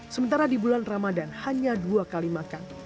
sementara di bulan ramadan hanya dua kali makan